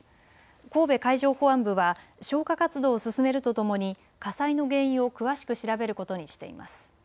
神戸海上保安部は消火活動を進めるとともに火災の原因を詳しく調べることにしています。